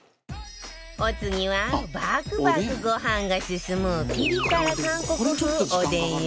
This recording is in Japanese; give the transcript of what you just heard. お次はバクバクご飯が進むピリ辛韓国風おでんよ